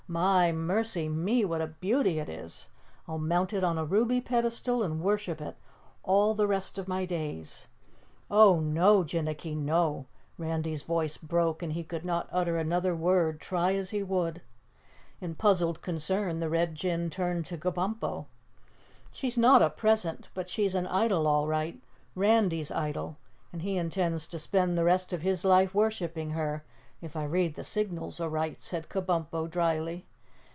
My, mercy me! What a beauty it is! I'll mount it on a ruby pedestal and worship it all the rest of my days!" "Oh, no, Jinnicky, no!" Randy's voice broke and he could not utter another word, try as he would. In puzzled concern the Red Jinn turned to Kabumpo. "She's not a present, but she's an idol all right Randy's idol and he intends to spend the rest of his life worshiping her, if I read the signals aright," said Kabumpo dryly.